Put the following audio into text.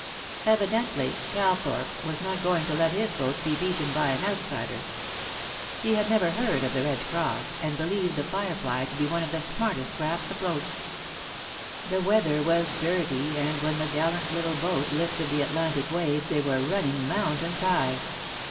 Evidently Calthorpe was not going to let his boat be beaten by an outsider. He had never heard of The Red Cross, and believed The Firefly to be one of the smartest crafts afloat. The weather was dirty, and when the gallant little boat lifted the Atlantic waves they were running mountains high.